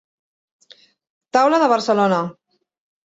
Taula de Barcelona.